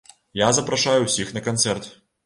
Я запрашаю ўсіх на канцэрт.